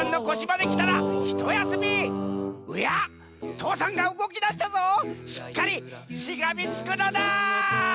父山がうごきだしたぞしっかりしがみつくのだ！